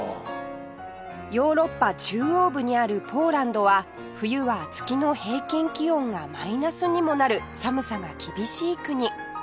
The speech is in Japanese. ヨーロッパ中央部にあるポーランドは冬は月の平均気温がマイナスにもなる寒さが厳しい国